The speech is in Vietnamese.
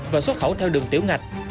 và xuất khẩu theo đường tiểu ngạch